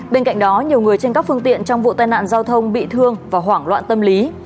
bên cạnh đó nhiều người trên các phương tiện trong vụ tai nạn giao thông bị thương và hoảng loạn tâm lý